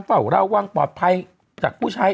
เฝ่าเล่าว่างปลอดภัยจากผู้ใช้